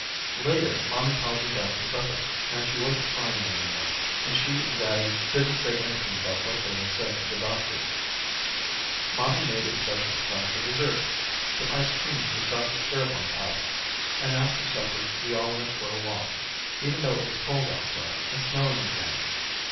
Later mommy called me down for supper, and she wasn't crying any more, and she and daddy didn't say anything about what they had said to the doctor. Mommy made me a special surprise for dessert, some ice cream with chocolate syrup on top, and after supper we all went for a walk, even though it was cold outside and snowing again.